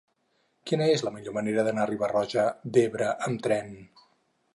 Quina és la millor manera d'anar a Riba-roja d'Ebre amb tren?